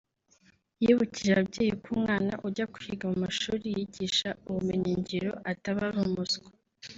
yibukije ababyeyi ko umwana ujya kwiga mu mashuri yigisha ubumenyingiro ataba ari umuswa